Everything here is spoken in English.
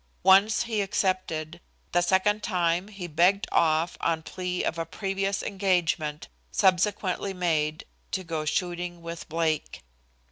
Once he accepted. The second time he begged off on plea of a previous engagement, subsequently made, to go shooting with Blake.